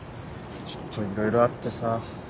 ちょっと色々あってさ。